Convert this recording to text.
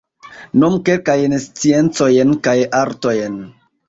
Nomu kelkajn sciencojn kaj artojn.